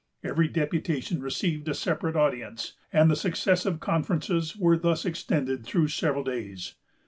Every deputation received a separate audience, and the successive conferences were thus extended through several days.